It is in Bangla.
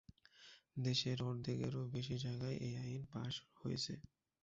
দেশের অর্ধেকেরও বেশি জায়গায় এই আইন পাস হয়েছে।